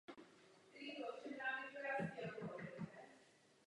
Vytváří výtvarné objekty za pomocí počítače.